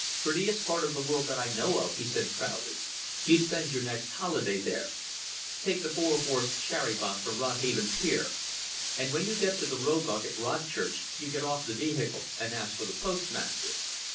"Prettiest part of the world that I know of," he said proudly. "You spend your next holiday there. Take the four horse sharrybank from Rodhaven pier and when you get to the Roebuck at Rodchurch, you get off of the vehicle and ask for the Postmaster."